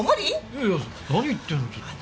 いやいや何言ってんのちょっと。